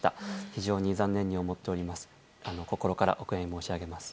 非常に残念に思っております。